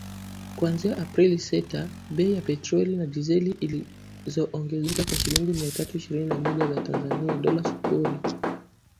kuanzia Aprili sita, bei ya petroli na dizeli iliongezeka kwa shilingi mia tatu ishirini na moja za Tanzania (Dola sufuri).